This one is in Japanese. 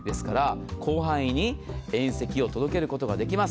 広範囲に遠赤を届けることができます。